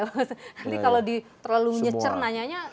nanti kalau terlalu nyecer nanyanya